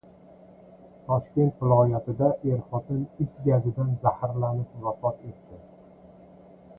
Toshkent viloyatida er-xotin is gazidan zaharlanib, vafot etdi